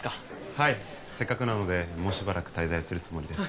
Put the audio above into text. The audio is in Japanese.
はいせっかくなのでもうしばらく滞在するつもりです